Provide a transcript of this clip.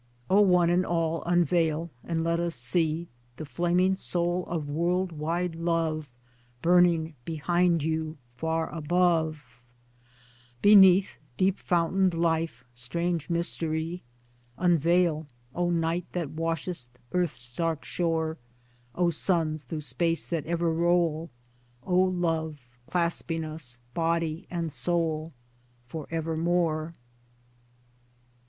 O one and all, unveil ! and let us see The flaming soul of world wide Love Burning behind you, far above, Beneath, deep fountained life, strange mystery ! Unveil ! O night that washest Earth's dark shore, O suns, through space that ever roll, O Love, clasping us body and soul For evermore